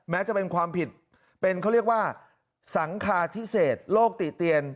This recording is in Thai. จะเป็นความผิดเป็นเขาเรียกว่าสังคาพิเศษโลกติเตียน